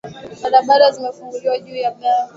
barabara zinafunguliwa juu ya barafu ya mito mikubwa au